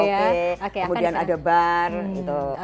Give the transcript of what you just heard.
ada spa ada karaoke kemudian ada bar gitu